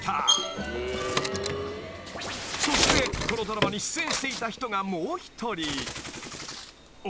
［そしてこのドラマに出演していた人がもう１人］